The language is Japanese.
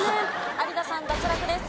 有田さん脱落です。